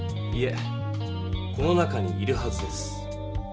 いえこの中にいるはずです。